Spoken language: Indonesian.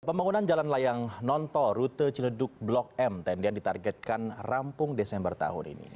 pembangunan jalan layang nontol rute ciledug blok m tendian ditargetkan rampung desember tahun ini